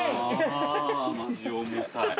ああマジ重たい。